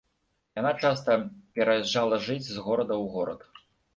Яна часта пераязджала жыць з горада ў горад.